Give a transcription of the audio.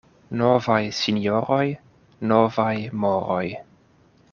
Novaj sinjoroj — novaj moroj.